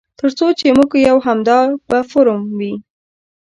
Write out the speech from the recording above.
تر څو چې موږ یو همدا به فورم وي.